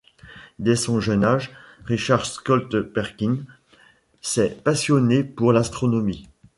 Dès son jeune âge, Richard Scott Perkin s'est passionné pour l'astronomie.